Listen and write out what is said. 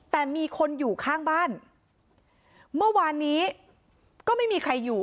แต่มีคนอยู่ข้างบ้านเมื่อวานนี้ก็ไม่มีใครอยู่